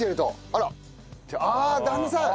ああ旦那さん！